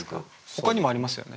ほかにもありますよね？